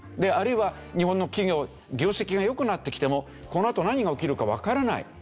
あるいは日本の企業業績が良くなってきてもこのあと何が起きるかわからない。